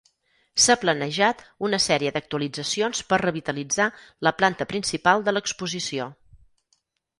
S"ha planejat una sèrie d'actualitzacions per revitalitzar la planta principal de l'exposició.